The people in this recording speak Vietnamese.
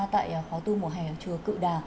tại khóa tu mùa hè chùa cự đà